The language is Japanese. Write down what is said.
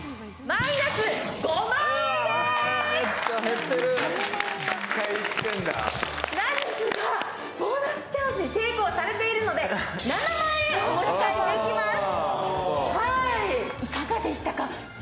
なんですが、ボーナスチャンスに成功されているので７万円お持ち帰りできます。